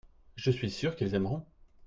je suis sûr qu'ils aimeront.